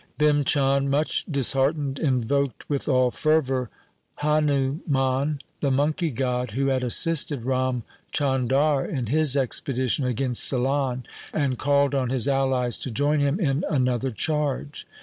Bhim Chand, much disheartened, in voked with all fervour, Hanuman, the monkey god who had assisted Ram Chandar in his expedition against Ceylon, and called on his allies to join him in another charge.